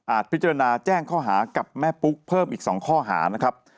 พิจารณาแจ้งข้อหากับแม่ปุ๊กเพิ่มอีก๒ข้อหานะครับ